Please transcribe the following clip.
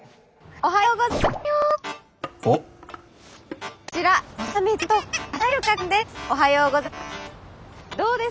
おはようございます。